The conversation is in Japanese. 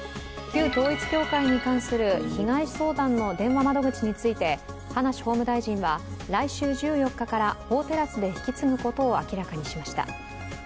旧統一教会に関する被害相談の電話窓口について葉梨法務大臣は来週１４日から法テラスで引き継ぐことを明らかにしました。